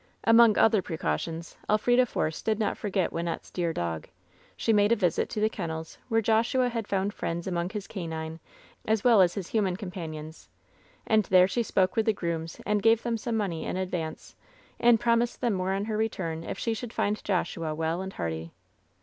Among other precautions, Elf rida Force did not for get Wynnette's dear dog. She made a visit to the ken nels, where Joshua had found friends among his canine as well m his human companions, and there she spoke 304 LOVERS BITTEREST CUP with the grooms and gave them some money in adranoe and promised them more on her return if she should find Joshua well and hearty.